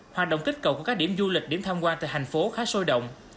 hoạt động kích cầu của các điểm du lịch điểm tham quan tại thành phố khá sôi động